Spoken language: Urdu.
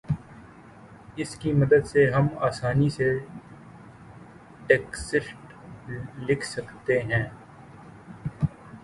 اس کی مدد سے ہم آسانی سے ٹیکسٹ لکھ سکتے ہیں